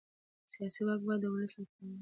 سیاسي واک باید د ولس لپاره وي